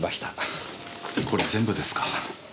これ全部ですか。